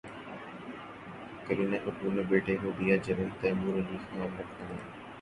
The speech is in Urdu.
کرینہ کپور نے بیٹے کو دیا جنم، تیمور علی خان رکھا نام